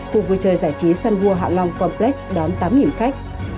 khu vui chơi giải trí sunwoo hạ long complex đón tám khách